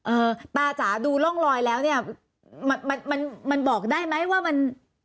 เอ่อตาจ๋าดูร่องรอยแล้วเนี่ยมันมันบอกได้ไหมว่ามัน